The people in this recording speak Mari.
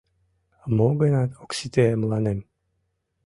Мо-гынат ок сите мыланем.